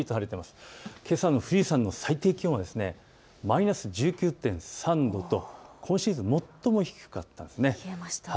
けさの富士山の最低気温はマイナス１９．３度と今シーズン最も低かったんです。